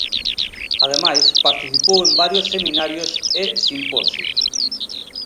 Ademais, participou en varios seminarios e simposios.